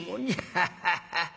アハハハ。